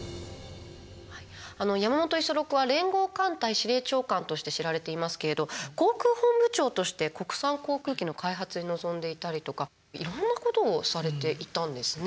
山本五十六は連合艦隊司令長官として知られていますけれど航空本部長として国産航空機の開発に臨んでいたりとかいろんなことをされていたんですね。